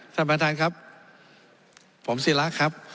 ท่านประธานครับผมศิระครับ